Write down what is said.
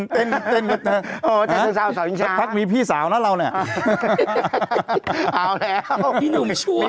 แช่งสาวสาวอิงชานะครับพักมีพี่สาวนะเราเนี่ยพี่หนุ่มชัวร์